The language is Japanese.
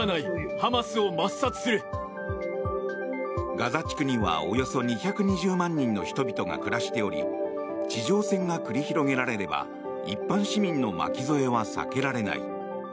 ガザ地区にはおよそ２２０万人の人々が暮らしており地上戦が繰り広げられれば一般市民の巻き添えは避けられない。